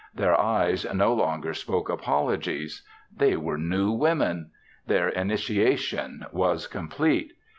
Their eyes no longer spoke apologies. They were new women. Their initiation was complete.